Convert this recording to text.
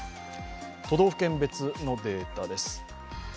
都道府県別のデータです。